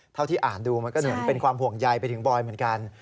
ที่อ่านดูมันก็เหมือนเป็นความห่วงใยไปถึงบอยเหมือนกัน